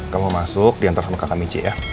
kamu masuk diantar sama kakak michi ya